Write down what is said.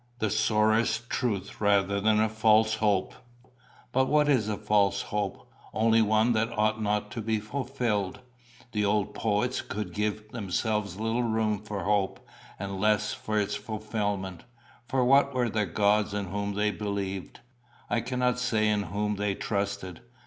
The sorest truth rather than a false hope! But what is a false hope? Only one that ought not to be fulfilled. The old poets could give themselves little room for hope, and less for its fulfilment; for what were the gods in whom they believed I cannot say in whom they trusted?